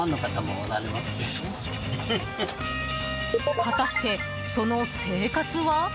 果たして、その生活は？